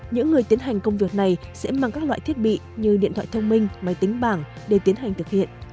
những người tiến hành công việc này sẽ mang các loại thiết bị như điện thoại thông minh máy tính bảng để tiến hành thực hiện